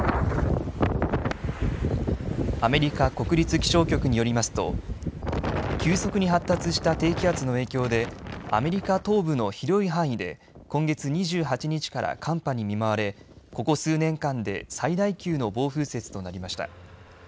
アメリカ国立気象局によりますと急速に発達した低気圧の影響でアメリカ東部の広い範囲で今月２８日から寒波に見舞われここ数年間で最大級の暴風雪となりました。